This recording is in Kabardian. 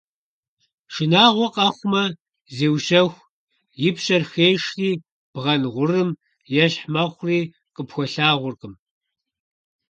Шынагъуэ къэхъумэ, зеущэху, и пщэр хешри бгъэн гъурым ещхь мэхъури, къыпхуэлъагъуркъым.